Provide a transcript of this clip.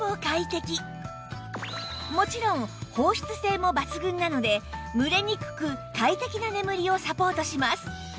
もちろん放湿性も抜群なので蒸れにくく快適な眠りをサポートします